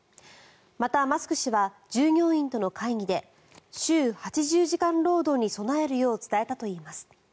また、マスク氏は従業員との会議で週８０時間労働に備えるよう伝えたといいます。